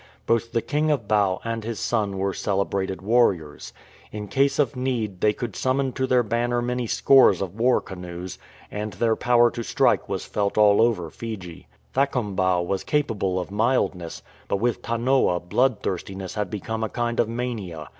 Both the king of Bau and his son were celebrated warriors. In case of need they could summon to their banner many scores of war canoes, and their power to strike was felt all over Fiji. Thakombau was capable of mildness, but with Tanoa blood thirstiness had become a kind of mania.